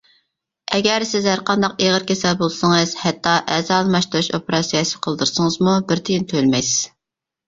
ئەگەر سىز ھەرقانداق ئېغىر كېسەل بولسىڭىز، ھەتتا ئەزا ئالماشتۇرۇش ئوپېراتسىيەسى قىلدۇرسىڭىزمۇ بىر تىيىن تۆلىمەيسىز.